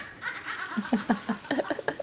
ハハハハ！